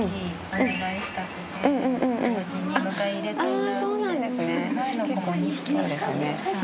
あぁそうなんですね。